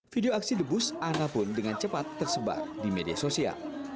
video aksi the bus ana pun dengan cepat tersebar di media sosial